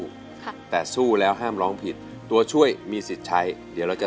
ค่ะแต่สู้แล้วห้ามร้องผิดตัวช่วยมีสิทธิ์ใช้เดี๋ยวเราจะ